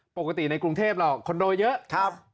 ปกติในกรุงเทพเราคอนโดเยอะ